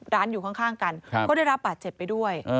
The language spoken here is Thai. อยู่ข้างกันก็ได้รับบาดเจ็บไปด้วย